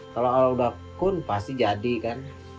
kalau alahudah pun pasti jadi kan